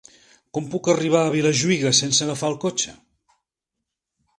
Com puc arribar a Vilajuïga sense agafar el cotxe?